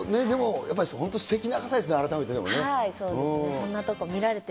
でも、やっぱり、本当すてきな方ですね、改めて、でもね。